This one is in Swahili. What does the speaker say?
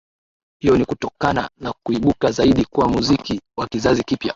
Hiyo ni kutokana na kuibuka zaidi kwa muziki wa kizazi kipya